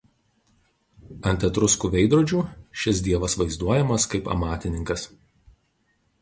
Ant etruskų veidrodžių šis dievas vaizduojamas kaip amatininkas.